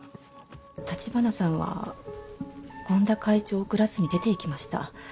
橘さんは権田会長を送らずに出ていきました。